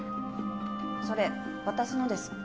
それ私のです。